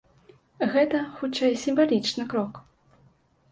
Гэта, хутчэй, сімвалічны крок.